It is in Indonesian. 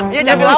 iya jangan bawa